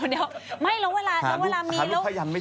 เดี๋ยวแล้วเวลามี